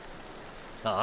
ああ！！